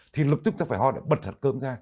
thì lập tức chúng ta phải ho để bật hạt cơm ra